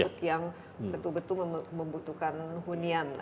untuk yang betul betul membutuhkan hunian